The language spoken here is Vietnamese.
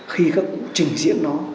khi các cụ trình diễn nó